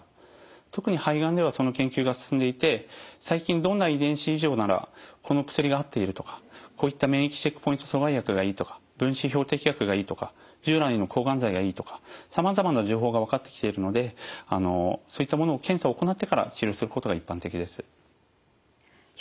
特に肺がんではその研究が進んでいて最近どんな遺伝子異常ならこの薬が合っているとかこういった免疫チェックポイント阻害薬がいいとか分子標的薬がいいとか従来の抗がん剤がいいとかさまざまな情報が分かってきているのでそういったものを検査を行ってから治療することが一般的です。